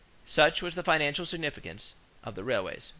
Such was the financial significance of the railways.